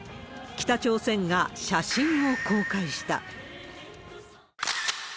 北朝鮮が写真を公開した。